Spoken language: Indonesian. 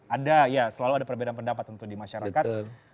ada ya selalu ada perbedaan pendapat tentu di masyarakat